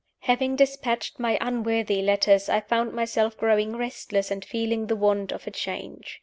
Having dispatched my unworthy letters, I found myself growing restless, and feeling the want of a change.